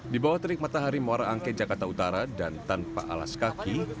di bawah terik matahari muara angke jakarta utara dan tanpa alas kaki